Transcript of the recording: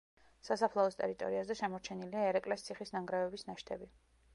სასაფლაოს ტერიტორიაზე შემორჩენილია ერეკლეს ციხის ნანგრევების ნაშთები.